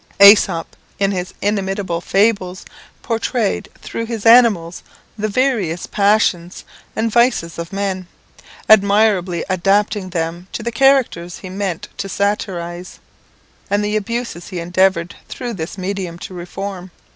Aesop, in his inimitable fables, pourtrayed through his animals the various passions and vices of men, admirably adapting them to the characters he meant to satirize, and the abuses he endeavoured through this medium to reform.